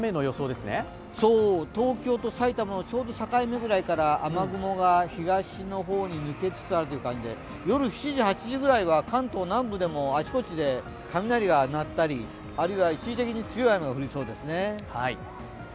東京と埼玉のちょうど境目ぐらいから雨雲が東の方へ抜けつつある感じで、夜７時、８時くらいは関東南部でもあちこちで雷が鳴ったり、あるいは一時的に強い雨が降りそうですね。